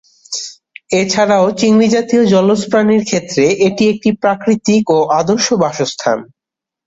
এছাড়াও চিংড়ি জাতীয় জলজ প্রাণীর ক্ষেত্রে এটি একটি প্রাকৃতিক ও আদর্শ বাসস্থান।